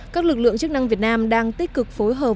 các lực lượng chức năng việt nam đang tích cực phối hợp